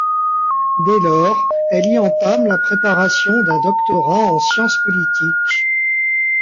Dès lors, elle y entame la préparation d'un doctorat en sciences politiques.